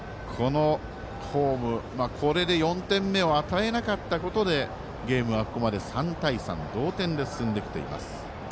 これで４点目を与えなかったことでゲームはここまで３対３の同点で進んできています。